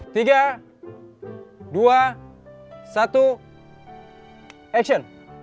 tiga dua satu action